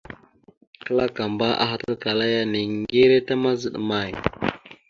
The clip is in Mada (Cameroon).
Kǝlakamba ahalǝkala ya: « Niŋgire ta mazaɗ amay? ».